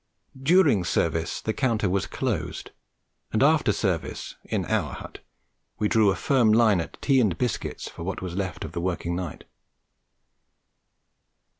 During service the counter was closed; and after service, in our hut, we drew a firm line at tea and biscuits for what was left of the working night.